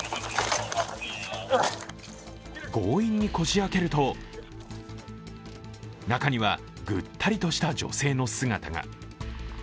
強引にこじあけると中にはぐったりとした女性の姿が。